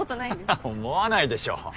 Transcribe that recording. ハハッ思わないでしょ。